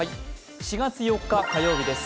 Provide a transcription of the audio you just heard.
４月４日火曜日です。